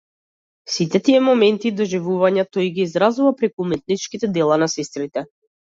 Сите тие моменти и доживувања тој ги изразува преку уметничките дела на сестрите.